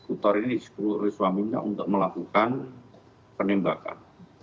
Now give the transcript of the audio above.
utor ini disuruh oleh suaminya untuk melakukan penembakan